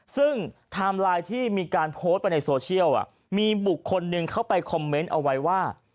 ซึ่งไทม์ไลน์ที่มีการโพสต์ไปในโซเชียลมีบุคคลหนึ่งเข้าไปคอมเมนต์เอาไว้ว่า